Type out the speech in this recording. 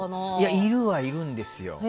いるはいるんですよ。